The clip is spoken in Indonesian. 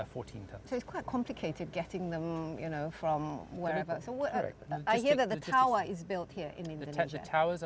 pergerakan pergerakan di sini di indonesia